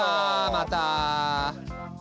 また。